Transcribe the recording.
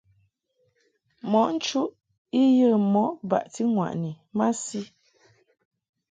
Mɔʼ nchuʼ I yə mɔʼ baʼti ŋwaʼni masi.